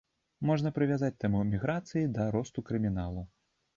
Можна прывязаць тэму міграцыі да росту крыміналу.